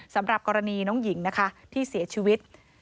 สำหรับกรณีน้องหญิงนะคะที่เสียชีวิต